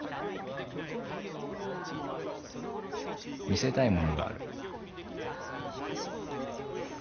見せたいものがある。